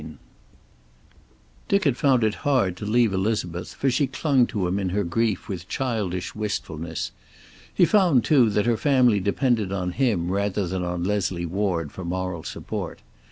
XXIII Dick had found it hard to leave Elizabeth, for she clung to him in her grief with childish wistfulness. He found, too, that her family depended on him rather than on Leslie Ward for moral support.